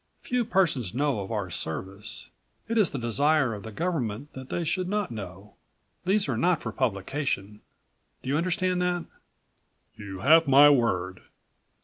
Few persons know of our service. It is the desire of the government that they should not know. These are not for92 publication. Do you understand that?" "You have my word."